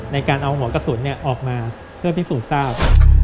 ในการเอาหัวกระสุนออกมาเพื่อพิสูจน์ทราบ